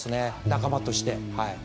仲間として。